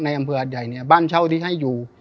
อำเภอหัดใหญ่เนี่ยบ้านเช่าที่ให้อยู่